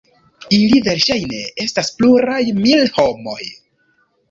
Ili verŝajne estas pluraj mil homoj.